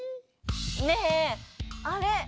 ねぇあれ！